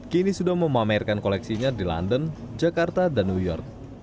kini sudah memamerkan koleksinya di london jakarta dan new york